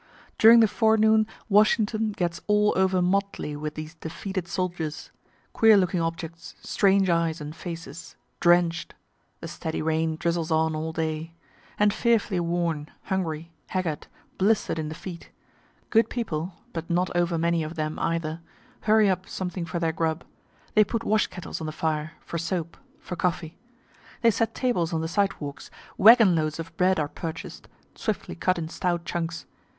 During the forenoon Washington gets all over motley with these defeated soldiers queer looking objects, strange eyes and faces, drench'd (the steady rain drizzles on all day) and fearfully worn, hungry, haggard, blister'd in the feet. Good people (but not over many of them either,) hurry up something for their grub. They put wash kettles on the fire, for soup, for coffee. They set tables on the side walks wagon loads of bread are purchas'd, swiftly cut in stout chunks.